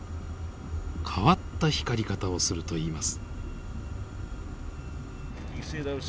変わった光り方をするといいます。